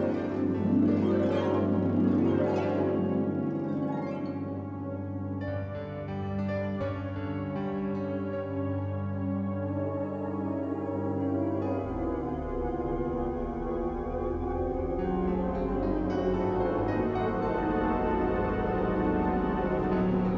sampai sekarang belum muncul